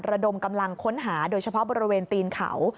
ระดมกำลังค้นหาโดยเฉพาะบริเวณตีนเขา